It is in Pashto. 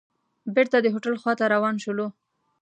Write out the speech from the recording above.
بېرته د هوټل خوا ته روان شولو.